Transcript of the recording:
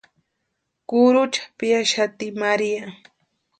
Kurhucha piaxati María.